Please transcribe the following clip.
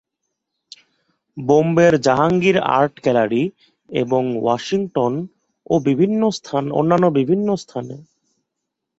বোম্বের Jahangir art gallery এবং Washington ও অন্যান্য বিভিন্ন স্থানে তাঁর আঁকা চিত্রগুলি প্রদর্শিত হয়েছিল।